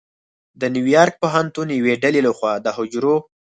د نیویارک پوهنتون یوې ډلې لخوا د حجرو